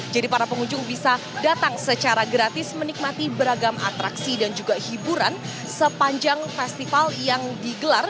jadi para pengunjung bisa datang secara gratis menikmati beragam atraksi dan juga hiburan sepanjang festival yang digelar